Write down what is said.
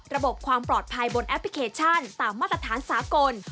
ระบบความปลอดภัยบนแอปพลิเคชันตามมาตรฐานสากล